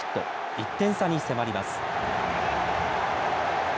１点差に迫ります。